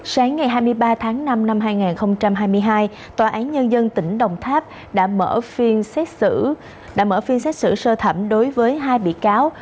sáng ngày hai mươi ba tháng năm năm hai nghìn hai mươi hai tòa án nhân dân tỉnh đồng tháp đã mở phiên xét xử sơ thẩm đối với hai bị cáo